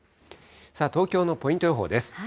さあ、東京のポイント予報です。